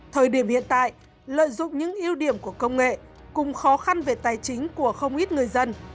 thời điểm hiện tại lợi dụng những ưu điểm của công nghệ cùng khó khăn về tài chính của không ít người dân